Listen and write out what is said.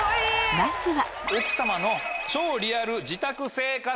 まずは。